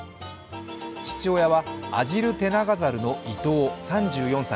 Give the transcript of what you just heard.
父親はアジルテナガザルのイトウ３４歳。